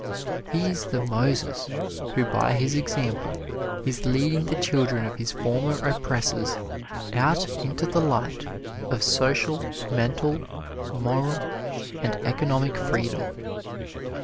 He is the Moses who by his example is leading the children of his former oppressors out into the light of social, mental, moral and economic freedom.